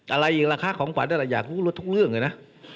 อะไรอีกราคาของขวัญนั่นแหละอยากรู้รถทุกเรื่องเลยนะ